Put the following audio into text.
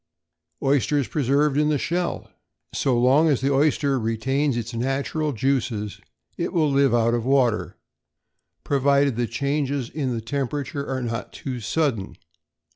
=Oysters Preserved in Shell.= So long as the oyster retains its natural juices, it will live out of water, provided the changes in the temperature are not too sudden.